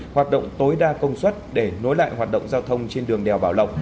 hoạt động tối đa công suất để nối lại hoạt động giao thông trên đường đèo bảo lộc